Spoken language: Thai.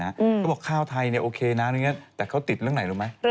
เขาบอกข้าวไทยโอเคนะแต่เขาติดเรื่องไหนรู้ไหม